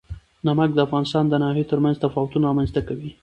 نمک د افغانستان د ناحیو ترمنځ تفاوتونه رامنځ ته کوي.